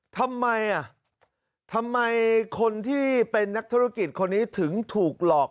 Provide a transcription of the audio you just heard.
ทำไมคนที่เป็นนักธุรกิจคนนี้ถึงถูกหลอก